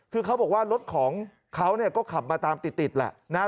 คือเขาบอกว่ารถของเขาก็ขับมาตามติดแหละนะฮะ